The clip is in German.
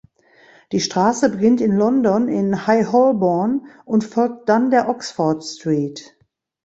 Die Straße beginnt in London in High Holborn und folgt dann der Oxford Street.